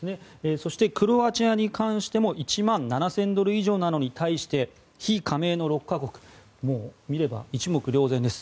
そして、クロアチアに関しても１万７０００ドル以上なのに対し非加盟の６か国、見れば一目瞭然です。